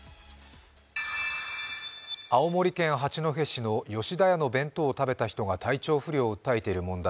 青森県八戸市の吉田屋の弁当を食べた人が体調不良を訴えている問題。